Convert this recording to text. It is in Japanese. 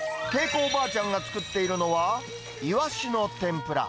おばあちゃんが作っているのは、イワシの天ぷら。